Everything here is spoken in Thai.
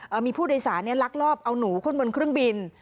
มีผู้โดยสารเนี้ยลักลอบเอาหนูขึ้นบนเครื่องบิน